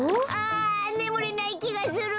あねむれないきがする！